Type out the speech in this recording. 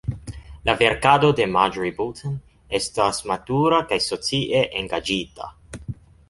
La verkado de Marjorie Boulton estas matura kaj socie engaĝita.